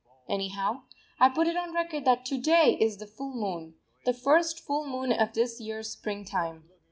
Anyhow I put it on record that to day is the full moon the first full moon of this year's springtime.